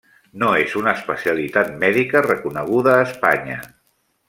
No és una especialitat mèdica reconeguda a Espanya.